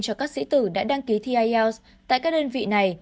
cho các sĩ tử đã đăng ký thi ielts tại các đơn vị này